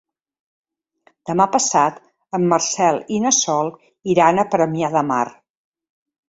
Demà passat en Marcel i na Sol iran a Premià de Mar.